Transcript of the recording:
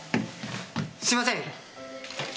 すいません。